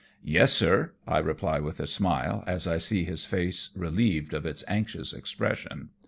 "Yes, sir," I reply with a smile, as I see his face relieved of its anxious expression.